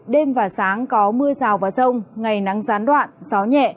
đêm và sáng có mưa rào và rông ngày nắng gián đoạn gió nhẹ